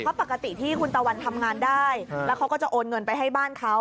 เพราะปกติที่คุณตะวันทำงานได้แล้วเขาก็จะโอนเงินไปให้บ้านเขา